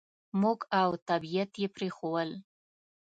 موږ او طبعیت یې پرېښوول.